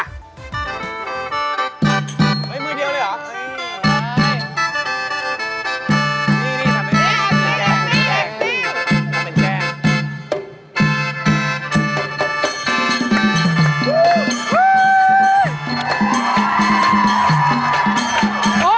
เห้ยมือดีกว่าเลยเหรอ